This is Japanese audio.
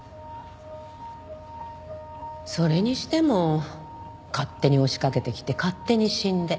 それにしても勝手に押しかけてきて勝手に死んで。